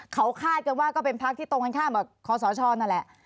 เขาคาดกันว่าก็เป็นพักที่ตรงกันข้ามกับคอสชนั่นแหละ